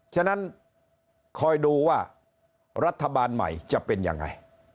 ฉะนั้นคอยดูว่ารัฐบาลใหม่จะเป็นยังไง